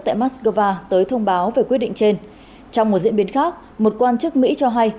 tại moscow tới thông báo về quyết định trên trong một diễn biến khác một quan chức mỹ cho hay